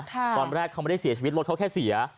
ตอนแรกเขาไม่ได้เสียชีวิตรถเขาแค่เสีย